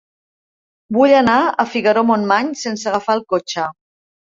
Vull anar a Figaró-Montmany sense agafar el cotxe.